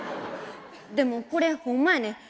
でもこれホンマやねん。